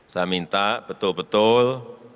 saya minta betul betul